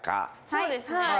そうですね。